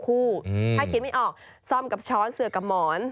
ถ้าคิดไม่ออกซ่อมกับช้อนเสือกกับหมอน